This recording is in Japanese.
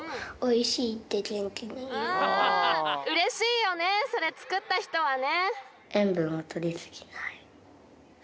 うれしいよねそれつくったひとはね。